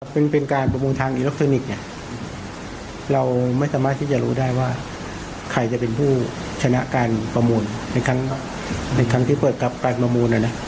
เป็นการประมูลทางอิเล็กทรอนิกส์เนี่ยเราไม่สามารถที่จะรู้ได้ว่าใครจะเป็นผู้ชนะการประมูลในครั้งที่เปิดรับการประมูลนะนะ